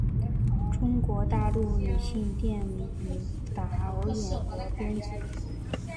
中国大陆女性电影导演和编剧。